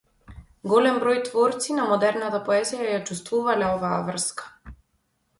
Голем број творци на модерната поезија ја чувствувале оваа врска.